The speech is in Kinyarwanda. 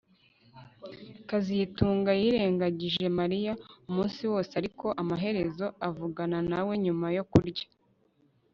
kazitunga yirengagije Mariya umunsi wose ariko amaherezo avugana na we nyuma yo kurya